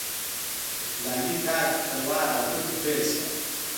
په فلاني کال کې په تلوار او پټه پیل شوه.